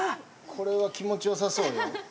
これは気持ち良さそうよ。